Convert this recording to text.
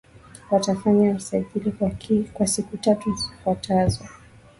Watafanya usajili kwa siku tatu zifuatazo